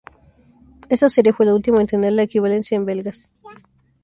Esta serie fue la última en tener la equivalencia en belgas.